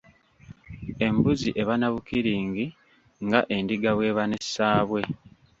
Embuzi eba na bukiringi nga endiga bw’eba ne Ssaabwe.